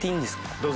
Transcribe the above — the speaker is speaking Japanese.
どうぞ。